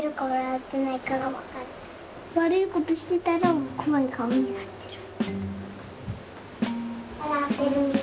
悪いことしてたら怖い顔になってる。